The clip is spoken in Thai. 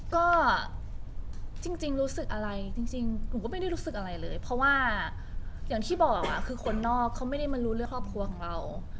ก็จริงรู้สึกอะไรจริงหนูก็ไม่ได้รู้สึกอะไรเลยเพราะว่าอย่างที่บอกคือคนนอกเขาไม่ได้มารู้เรื่องครอบครัวของเรา